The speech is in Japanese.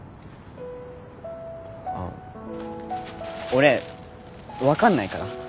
俺分かんないから。